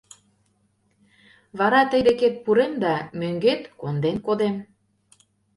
Вара тый декет пурем да мӧҥгет конден кодем.